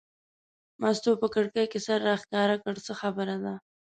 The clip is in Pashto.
مستو په کړکۍ کې سر راښکاره کړ: څه خبره ده.